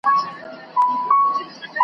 خلکو اسلام دی درته راغلی .